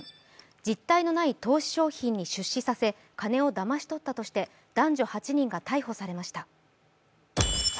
実体のない投資商品に出資させ金をだまし取ったとして男女８人が逮捕されました。